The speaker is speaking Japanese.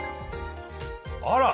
あら！